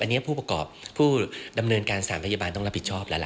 อันนี้ผู้ประกอบผู้ดำเนินการสถานพยาบาลต้องรับผิดชอบแล้วล่ะ